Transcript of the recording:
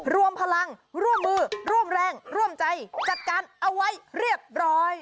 รวมพลังร่วมมือร่วมแรงร่วมใจจัดการเอาไว้เรียบร้อย